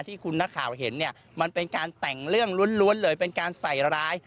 ที่คุณนักข่าวเห็นเนี่ยมันเป็นการแต่งเรื่องล้วนเลยเป็นการใส่ร้าย